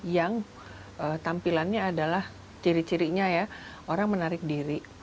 yang tampilannya adalah ciri cirinya ya orang menarik diri